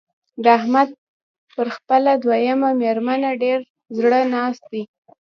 د احمد پر خپله دويمه مېرمنه ډېر زړه ناست دی.